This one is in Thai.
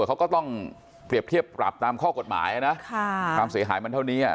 เขาก็ต้องเปรียบเทียบปรับตามข้อกฎหมายนะความเสียหายมันเท่านี้